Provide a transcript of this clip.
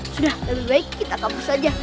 sudah lebih baik kita kampus saja